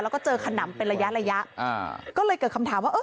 แล้วก็เจอขนำเป็นระยะระยะอ่าก็เลยเกิดคำถามว่าเออ